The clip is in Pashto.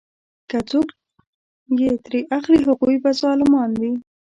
که څوک یې ترې اخلي هغوی به ظالمان وي.